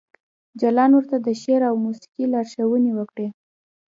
جلان ورته د شعر او موسیقۍ لارښوونې وکړې